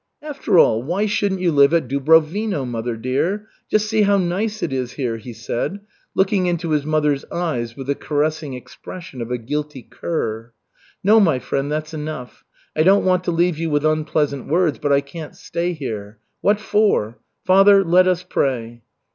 "After all, why shouldn't you live at Dubrovino, mother dear? Just see how nice it is here," he said, looking into his mother's eyes with the caressing expression of a guilty cur. "No, my friend, that's enough. I don't want to leave you with unpleasant words, but I can't stay here. What for? Father, let us pray."